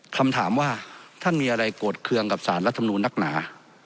คำถามว่าท่านมีอะไรโกรธเครื่องกับสารรัฐมนูลนักหนา